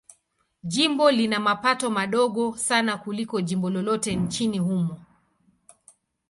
Jimbo lina mapato madogo sana kuliko jimbo lolote nchini humo.